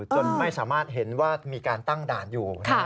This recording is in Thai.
จนไม่สามารถเห็นว่ามีการตั้งด่านอยู่